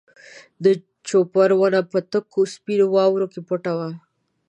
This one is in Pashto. د جوپر ونه په تکو سپینو واورو کې پټه وه.